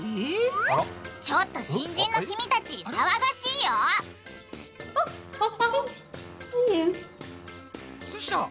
ちょっと新人の君たち騒がしいよどうした？